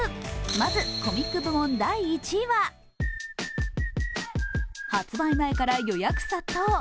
まずコミック部門第１位は発売前から予約殺到。